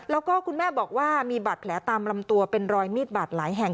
แล้วก็คุณแม่บอกว่ามีบาดแผลตามลำตัวเป็นรอยมีดบาดหลายแห่ง